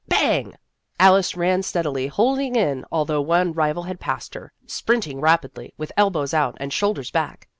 Bang ! Alice ran steadily, holding in, although one rival had passed her, sprint ing rapidly, with elbows out and shoulders back.